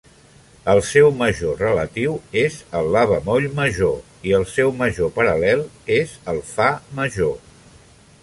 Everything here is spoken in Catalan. El seu major relatiu és el La bemoll major i el seu major paral·lel és el Fa major